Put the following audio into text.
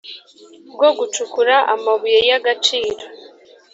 rwo gucukura amabuye y agaciro